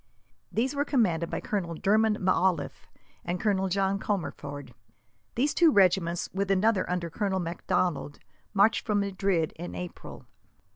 These were commanded by Colonel Dermond M'Auliffe and Colonel John Comerford. These two regiments, with another under Colonel Macdonald, marched from Madrid in April.